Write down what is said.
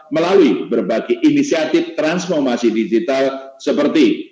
melalui berbagai inisiatif transformasi digital seperti